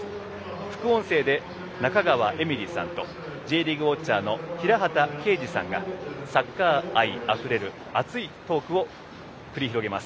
副音声で中川絵美里さんとＪリーグウォッチャーの平畠啓史さんがサッカー愛あふれる熱いトークを繰り広げます。